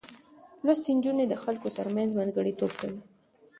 لوستې نجونې د خلکو ترمنځ منځګړتوب کوي.